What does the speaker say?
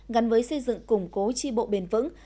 gắn với xây dựng củng cố tri bộ bền vững